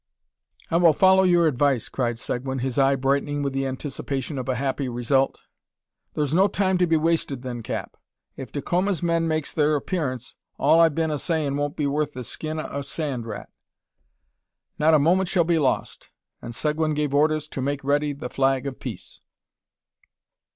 "I will follow your advice," cried Seguin, his eye brightening with the anticipation of a happy result. "Thur's no time to be wasted, then, cap; if Dacoma's men makes thur appearance, all I've been a sayin' won't be worth the skin o' a sand rat." "Not a moment shall be lost;" and Seguin gave orders to make ready the flag of peace.